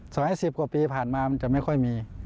สมัย๑๐กว่าปีผ่านมามันจะไม่ค่อยมี